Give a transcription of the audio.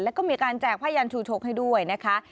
แล้วก็มีการแจกผ้ายันชูชกให้ด้วยนะคะ